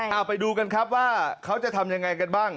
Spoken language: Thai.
เอาไปดูกันครับว่าเขาจะทำยังไงกันบ้าง